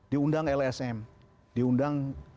diundang lsm diundang